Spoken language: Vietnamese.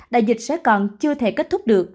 đại dịch sẽ còn chưa thể kết thúc được